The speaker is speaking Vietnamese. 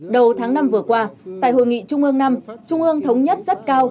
đầu tháng năm vừa qua tại hội nghị trung ương năm trung ương thống nhất rất cao